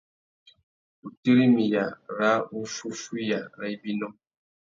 Wutirimiya râ wuffúffüiya râ ibinô.